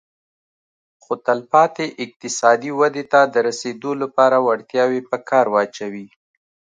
خو تلپاتې اقتصادي ودې ته د رسېدو لپاره وړتیاوې په کار واچوي